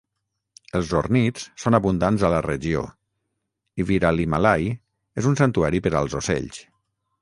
Els ornits són abundants a la regió i Viralimalai és un santuari per als ocells.